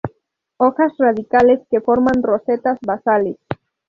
Hojas radicales que forman rosetas basales.